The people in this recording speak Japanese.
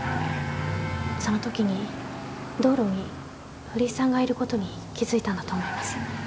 そのときに道路に古井さんがいることに気付いたんだと思います。